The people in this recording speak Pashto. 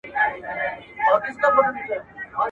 د واده دودونه په هر ځای کې یو شان نه دي.